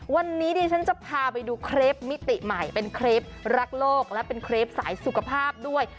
วันนี้ดิฉันจะพาไปดูเครปมิติใหม่เป็นเครปรักโลกและเป็นเครปสายสุขภาพด้วย